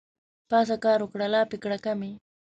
پاڅه کار وکړه لافې کړه کمې